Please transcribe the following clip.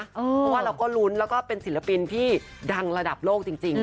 เพราะว่าเราก็ลุ้นแล้วก็เป็นศิลปินที่ดังระดับโลกจริง